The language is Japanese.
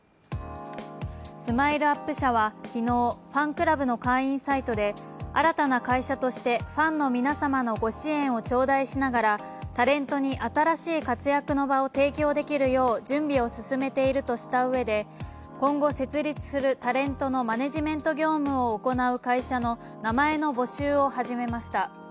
ＳＭＩＬＥ−ＵＰ．社は昨日、ファンクラブの会員サイトで新たな会社としてファンの皆様のご支援を頂戴しながらタレントに新しい活躍の場を提供できるよう準備を進めているとしたうえで今後設立するタレントのマネジメント業務を行う会社の名前の募集を始めました。